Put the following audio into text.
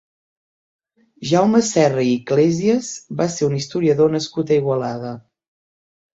Jaume Serra i Iglesias va ser un historiador nascut a Igualada.